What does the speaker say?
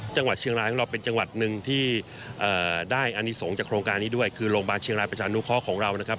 จังหวัดเชียงรายของเราเป็นจังหวัดหนึ่งที่ได้อนิสงฆ์จากโครงการนี้ด้วยคือโรงพยาบาลเชียงรายประชานุเคราะห์ของเรานะครับ